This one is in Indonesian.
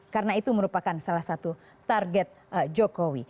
karena itu merupakan salah satu target jokowi